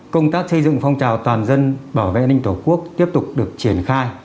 công tác xây dựng phong trào toàn dân bảo vệ an ninh tổ quốc tiếp tục được triển khai